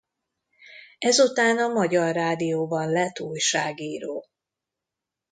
Ezután a Magyar Rádióban lett újságíró.